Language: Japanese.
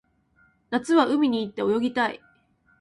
夏は海に行って泳ぎたい